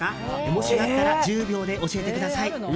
もしあったら１０秒で教えてください！